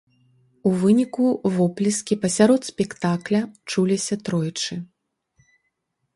У выніку воплескі пасярод спектакля чуліся тройчы.